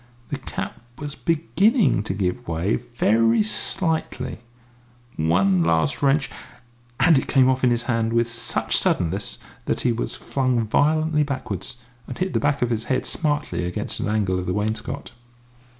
The cap was beginning to give way, very slightly; one last wrench and it came off in his hand with such suddenness that he was flung violently backwards, and hit the back of his head smartly against an angle of the wainscot.